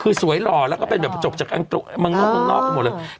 คือสวยหล่อแล้วก็เป็นแบบจบจากอังตรกมานอกหมดเลย